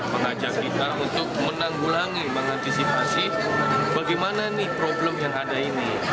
mengajak kita untuk menanggulangi mengantisipasi bagaimana problem yang ada ini